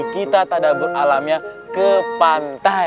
kita tadabur alamnya ke pantai